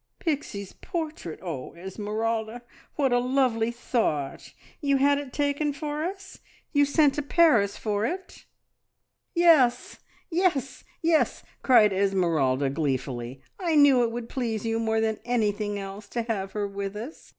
"Pixie's portrait! Oh, Esmeralda what a lovely thought! You had it taken for us? You sent to Paris for it?" "Yes yes!" cried Esmeralda gleefully. "I knew it would please you more than anything else to have her with us.